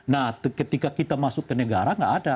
nah ketika kita masuk ke negara nggak ada